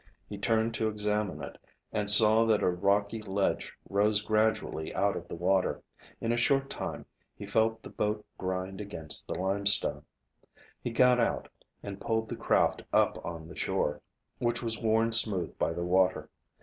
He turned to examine it and saw that a rocky ledge rose gradually out of the water. In a short time he felt the boat grind against the limestone. He got out and pulled the craft up on the shore, which was worn smooth by the water.